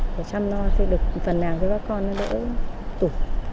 để chăm lo được phần nào với các con nó đỡ tủ